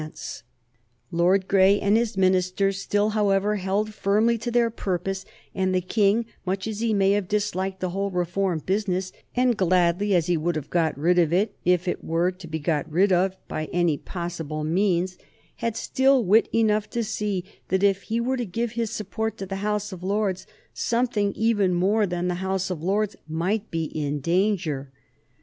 [Sidenote: 1832 The third Reform Bill] Lord Grey and his ministers still, however, held firmly to their purpose, and the King, much as he may have disliked the whole reform business, and gladly as he would have got rid of it, if it were to be got rid of by any possible means, had still wit enough to see that if he were to give his support to the House of Lords something even more than the House of Lords might be in danger.